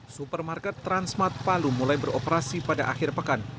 supermarket transmat palu mulai beroperasi pada akhir pekan